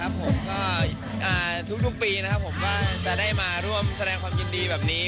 ผมก็ทุกปีนะครับผมก็จะได้มาร่วมแสดงความยินดีแบบนี้